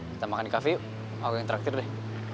kita makan di cafe yuk aku yang interaktif deh